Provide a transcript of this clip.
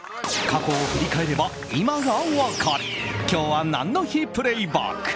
過去を振り返れば今が分かる今日は何の日プレイバック！